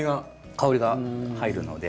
香りが入るので。